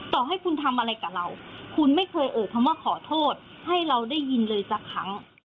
ต่อให้คุณทำอะไรกับเราคุณไม่เคยเอ่ยคำว่าขอโทษให้เราได้ยินเลยสักครั้ง